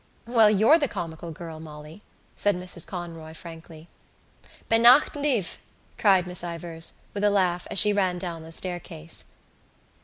"Well, you're the comical girl, Molly," said Mrs Conroy frankly. "Beannacht libh," cried Miss Ivors, with a laugh, as she ran down the staircase.